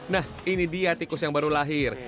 nah ini dia tikus yang baru lahir